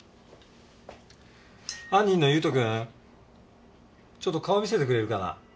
犯人の悠斗くんちょっと顔を見せてくれるかな？